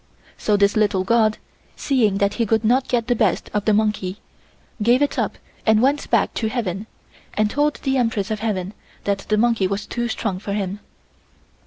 So this little god, seeing that he could not get the best of the monkey, gave it up and went back to heaven, and told the Empress of Heaven that the monkey was too strong for him.